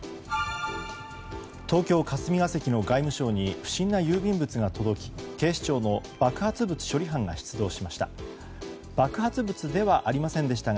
東京・霞が関の外務省に不振な郵便物が届き警視庁の爆発物処理班が出動しました。